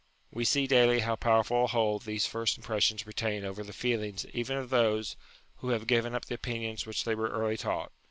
We see daily how powerful a hold these first impressions retain over the feelings even of those, who have given up the opinions which they were early taught.